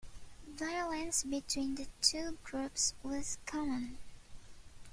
Violence between the two groups was common.